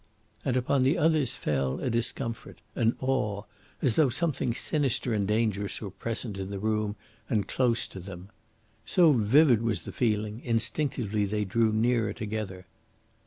And upon the others fell a discomfort, an awe, as though something sinister and dangerous were present in the room and close to them. So vivid was the feeling, instinctively they drew nearer together.